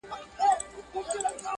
بلال په وینو رنګوي منبر په کاڼو ولي؛